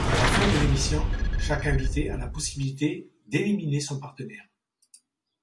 À la fin de l'émission, chaque invité a la possibilité d'éliminer son partenaire.